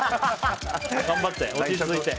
頑張って、落ち着いて。